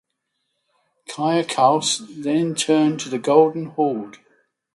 Kaykaus then turned to the Golden Horde.